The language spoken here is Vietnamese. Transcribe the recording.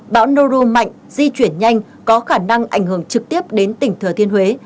bão noru mạnh di chuyển nhanh có khả năng ảnh hưởng trực tiếp đến tỉnh thừa thiên huế